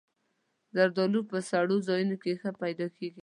زردالو په سړو ځایونو کې ښه پیدا کېږي.